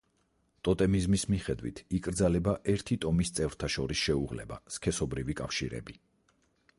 ტოტემიზმის მიხედვით იკრძალება ერთი ტომის წევრთა შორის შეუღლება, სქესობრივი კავშირები.